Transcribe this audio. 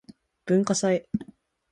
文化祭